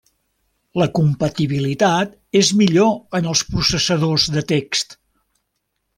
La compatibilitat és millor en els processadors de text.